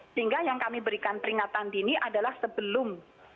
sehingga yang kami berikan peringatan dini adalah sebelum